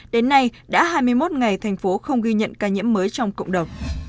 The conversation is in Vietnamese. đến nay đã hai mươi một ngày thành phố không ghi nhận ca nhiễm mới trong cộng đồng